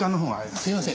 すいません。